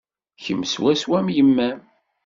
Kemm swaswa am yemma-m.